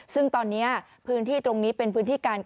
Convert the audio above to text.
ซึ่งตอนนี้พื้นที่ตรงนี้เป็นพื้นที่การ